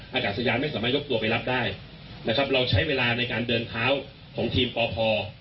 อากาศยานไม่สามารถยกตัวไปรับได้นะครับเราใช้เวลาในการเดินเท้าของทีมปพ